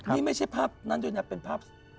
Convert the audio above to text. นี่ไม่ใช่ภาพนั้นด้วยนะ